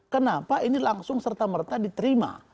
kenapa ini langsung serta merta diterima